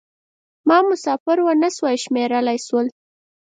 ما مسافر و نه شوای شمېرلای شول.